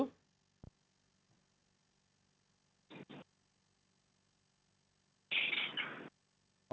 oke terima kasih